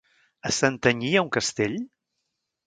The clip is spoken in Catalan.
A Santanyí hi ha un castell?